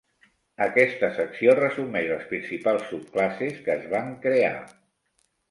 Aquesta secció resumeix les principals subclasses que es van crear.